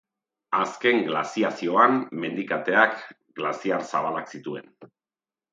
Azken glaziazioan, mendikateak, glaziar zabalak zituen.